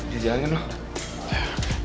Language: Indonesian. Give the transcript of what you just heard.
ya jangan kan om